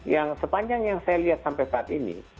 yang sepanjang yang saya lihat sampai saat ini